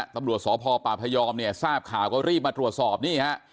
ตำรวจสพปพยอมเนี่ยทราบข่าวก็รีบมาตรวจสอบนี่ฮะ